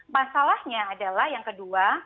masalahnya adalah yang kedua